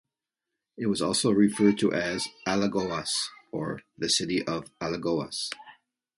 It was also referred to as "Alagoas", or the "City of Alagoas".